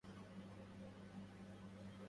كم حصانا لدى توم؟